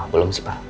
belum sih pak